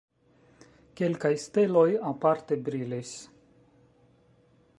Kelkaj steloj aparte brilis.